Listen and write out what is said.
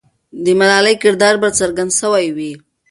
د ملالۍ کردار به څرګند سوی وي.